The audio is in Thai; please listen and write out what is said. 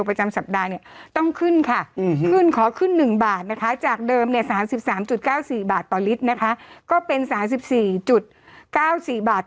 ประจำสัปดาห์เนี่ยต้องขึ้นค่ะขอขึ้นหนึ่งบาทนะคะจากเดิมเนี่ย๓๓๙๔บาทต่อลิตรนะคะก็เป็น๓๔๙๔บาทต่อลิตรนะคะก็เป็น๓๔๙๔บาทต่อลิตรนะคะก็เป็น๓๔๙๔